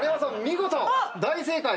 見事大正解！